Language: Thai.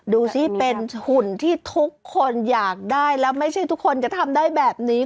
ดูสิเป็นหุ่นที่ทุกคนอยากได้แล้วไม่ใช่ทุกคนจะทำได้แบบนี้